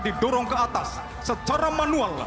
didorong ke atas secara manual